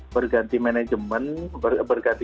berganti manajemen berganti